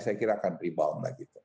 saya kira akan rebound lagi